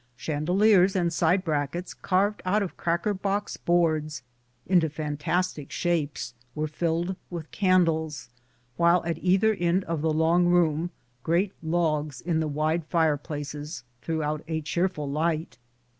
Chandeliers and side brackets carved out of cracker box boards into fantastic shapes were filled with candles, while at either end of the long room great logs in the wide fireplaces threw out a cheerful light.